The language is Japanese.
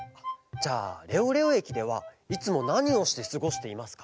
じゃあレオレオえきではいつもなにをしてすごしていますか？